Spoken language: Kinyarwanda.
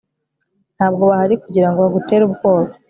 ntabwo bahari kugirango bagutere ubwoba